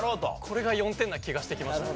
これが４点な気がしてきました。